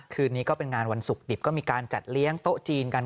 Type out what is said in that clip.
คืนนี้ก็เป็นงานวันศุกร์ดิบก็มีการจัดเลี้ยงโต๊ะจีนกัน